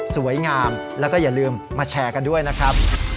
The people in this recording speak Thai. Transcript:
สวยงามแล้วก็อย่าลืมมาแชร์กันด้วยนะครับ